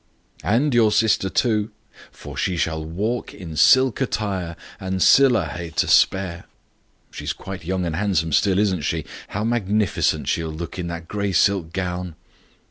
"And your sister too. 'For she sall walk in silk attire, And siller hae to spare.' She's quite young and handsome still isn't she? How magnificent she'll look in that grey silk gown!"